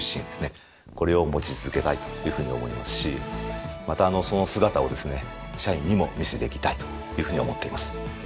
これを持ち続けたいというふうに思いますしまたその姿をですね社員にも見せていきたいというふうに思っています。